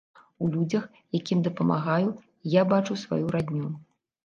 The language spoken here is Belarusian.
У людзях, якім дапамагаю, я бачу сваю радню.